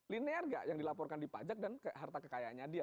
linear gak yang dilaporkan di pajak dan harta kekayaannya dia